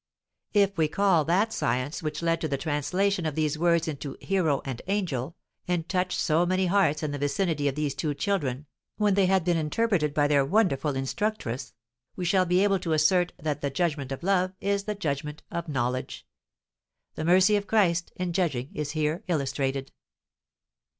If we call that science which led to the translation of these words into hero and angel, and touched so many hearts in the vicinity of these two children, when they had been interpreted by their wonderful instructress, we shall be able to assert that "the judgment of love is the judgment of knowledge." The mercy of Christ in judging is here illustrated.